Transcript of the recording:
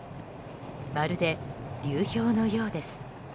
まるで流氷のようです。